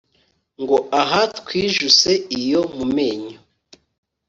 Ngo aha twijuse iyo mu menyo